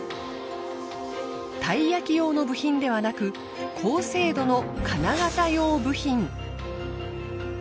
たい焼き用の部品ではなく高精度の金型用部品。